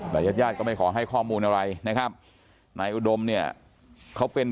แต่ญาติญาติก็ไม่ขอให้ข้อมูลอะไรนะครับนายอุดมเนี่ยเขาเป็น